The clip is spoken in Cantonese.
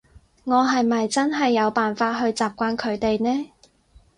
我係咪真係有辦法去習慣佢哋呢？